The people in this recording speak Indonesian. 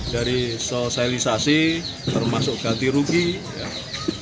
dari sosialisasi termasuk ganti rugi atau tali asli